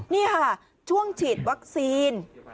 นี่ค่ะช่วงฉีดวัคซีน